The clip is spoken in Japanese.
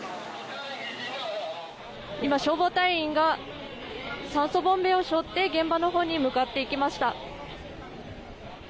今、消防隊員が酸素ボンベを背負って現場に向かいました。